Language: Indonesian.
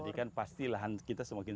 jadi kan pasti lahan kita semakin